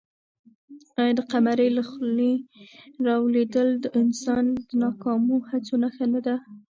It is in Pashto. آیا د قمرۍ د خلي رالوېدل د انسان د ناکامو هڅو نښه نه ده؟